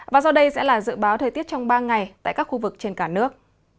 và sau đây sẽ là dự báo thời tiết trong ba ngày tại các khu vực trên cả nước